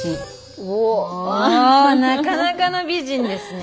おなかなかの美人ですね。